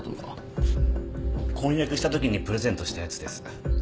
婚約したときにプレゼントしたやつです。